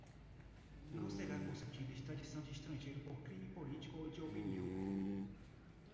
não será concedida extradição de estrangeiro por crime político ou de opinião;